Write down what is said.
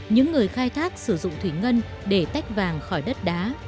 những người khai thác sử dụng thủy ngân để tách vàng khỏi đất đá